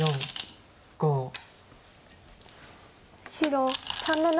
白３の七。